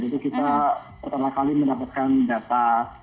jadi kita pertama kali mendapatkan data